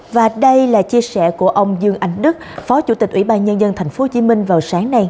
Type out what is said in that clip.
và đây là chia sẻ của ông dương anh đức phó chủ tịch ủy ban nhân dân tp hcm vào sáng nay